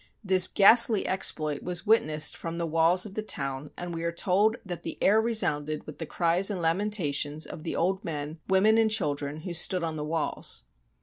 This ghastly exploit was wit nessed from the walls of the town, and we are told that " the air resounded with the cries and lamenta tions of the old men, women, and children, who stood on the walls."